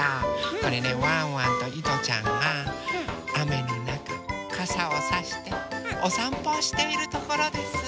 これねワンワンといとちゃんがあめのなかかさをさしておさんぽをしているところです。